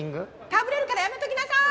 かぶれるからやめときなさい！